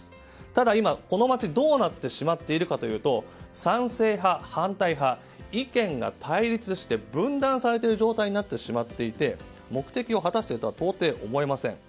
ただ、今、この街はどうなっているかといいますと賛成派、反対派意見が対立して分断されている状態になり目的を果たしているとは到底、思えません。